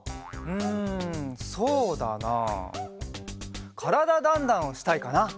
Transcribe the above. うんそうだなあ「からだ☆ダンダン」をしたいかな。